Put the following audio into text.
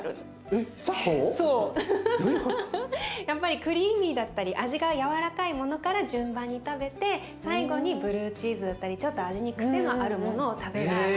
やっぱりクリーミーだったり味がやわらかいものから順番に食べて最後にブルーチーズだったりちょっと味に癖のあるものを食べる。